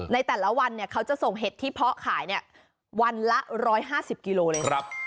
ในแต่ละวันเขาจะส่งเห็ดที่เพาะขายวันละ๑๕๐กิโลเลย